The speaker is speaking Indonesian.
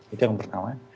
itu yang pertama